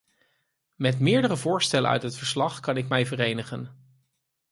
Met meerdere voorstellen uit het verslag kan ik mij verenigen.